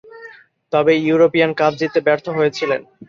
তবে, European cup জিততে ব্যর্থ হয়েছিল।